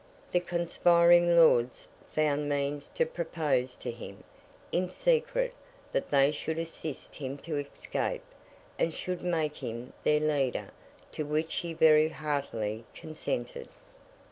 The conspiring Lords found means to propose to him, in secret, that they should assist him to escape, and should make him their leader; to which he very heartily consented.